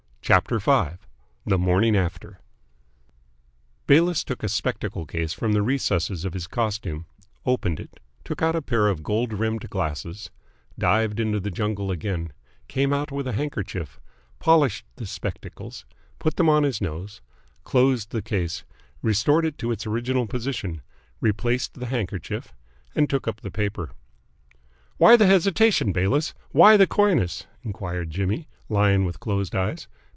CHAPTER V THE MORNING AFTER Bayliss took a spectacle case from the recesses of his costume, opened it, took out a pair of gold rimmed glasses, dived into the jungle again, came out with a handkerchief, polished the spectacles, put them on his nose, closed the case, restored it to its original position, replaced the handkerchief, and took up the paper. "Why the hesitation, Bayliss? Why the coyness?" enquired Jimmy, lying with closed eyes.